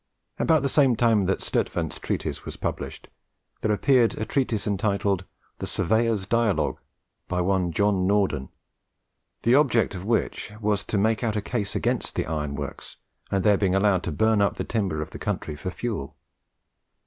About the same time that Sturtevant's treatise was published, there appeared a treatise entitled the 'Surveyor's Dialogue,' by one John Norden, the object of which was to make out a case against the iron works and their being allowed to burn up the timber of the country for fuel.